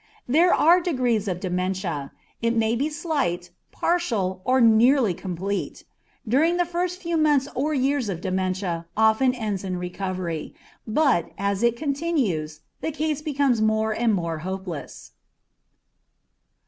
There are degrees of dementia: it may be slight, partial, or nearly complete. During the first few months or years dementia often ends in recovery, but, as it continues, the case becomes more and more hopeless.